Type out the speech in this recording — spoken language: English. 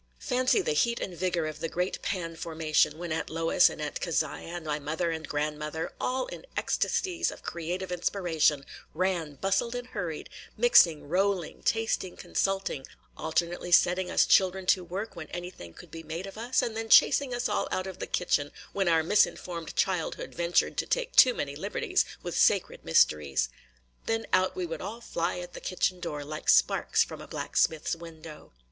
Fancy the heat and vigor of the great pan formation, when Aunt Lois and Aunt Keziah, and my mother and grandmother, all in ecstasies of creative inspiration, ran, bustled, and hurried, – mixing, rolling, tasting, consulting, – alternately setting us children to work when anything could be made of us, and then chasing us all out of the kitchen when our misinformed childhood ventured to take too many liberties with sacred mysteries. Then out we would all fly at the kitchen door, like sparks from a blacksmith's window.